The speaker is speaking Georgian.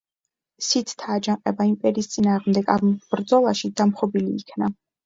სითთა აჯანყება იმპერიის წინააღმდეგ ამ ბრძოლაში დამხობილი იქნა.